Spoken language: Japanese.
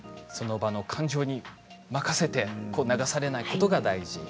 その場の感情に任せて流されないことが大事。